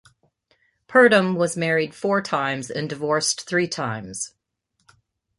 Purdom was married four times and divorced three times.